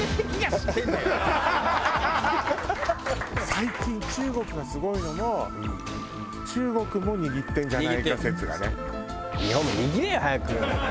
最近中国がすごいのも中国も握ってるんじゃないか説がね。